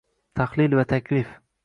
Tahlil va taklif.